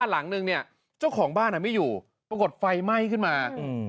หลังนึงเนี่ยเจ้าของบ้านไม่อยู่ปรากฏไฟไหม้ขึ้นมา